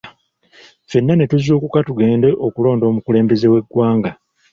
Fenna ne tuzuukuka tugende okulonda omukulembeze w’eggwanga.